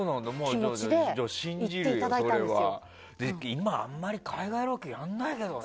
今、あんまり海外ロケやらないけどね。